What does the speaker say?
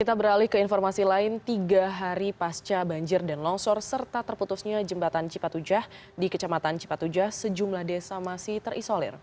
kita beralih ke informasi lain tiga hari pasca banjir dan longsor serta terputusnya jembatan cipatujah di kecamatan cipatujah sejumlah desa masih terisolir